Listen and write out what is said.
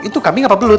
itu kambing apa belut